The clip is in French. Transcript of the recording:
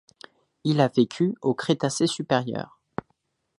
Il a vécu au Crétacé supérieur.